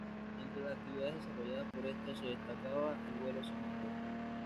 Entre las actividades desarrolladas por estos se destacaba el vuelo sin motor.